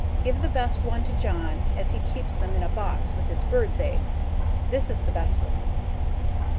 Give the best one to John as he keeps them in a box with his birds' eggs. This is the best one.